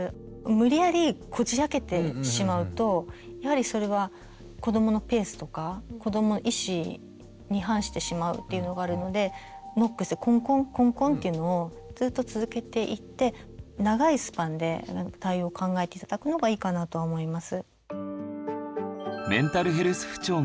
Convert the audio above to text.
無理やりこじあけてしまうとやはりそれは子どものペースとか子どもの意思に反してしまうっていうのがあるのでノックしてコンコンコンコンっていうのをずっと続けていって長いスパンで対応を考えて頂くのがいいかなとは思います。